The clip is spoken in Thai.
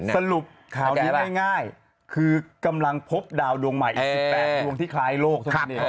สรุปคราวนี้ง่ายคือกำลังพบดาวน์ดวงใหม่๑๘ดวงที่คลายโลก